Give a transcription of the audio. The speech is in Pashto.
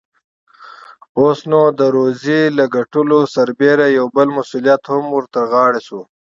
اوس، نو د روزۍ له ګټلو سربېره يو بل مسئوليت هم ور ترغاړې شو.